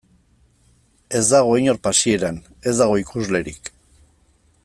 Ez dago inor pasieran, ez dago ikuslerik.